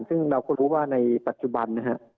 ซึ่งเราก็รู้ว่าในปัจจุบันนะฮะ